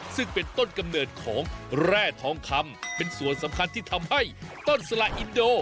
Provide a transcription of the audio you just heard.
ซึ่งเป็นต้นกำเนิดของแร่ทองคำเป็นส่วนสำคัญที่ทำให้ต้นสละอินโด